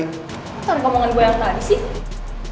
tanpa omongan gue yang tadi sih